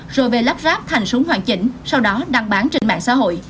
rồi về lắp ráp thành súng hoàn chỉnh sau đó đăng bán trên mạng xã hội